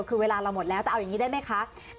คือเวลาเราหมดแล้วแต่เอาอย่างนี้ได้ไหมคะ